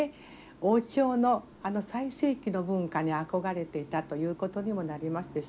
王朝のあの最盛期の文化に憧れていたということにもなりますでしょ。